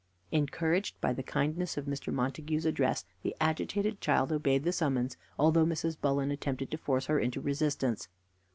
Encouraged by the kindness of Mr. Montague's address, the agitated child obeyed the summons, although Mrs. Bullen attempted to force her into resistance.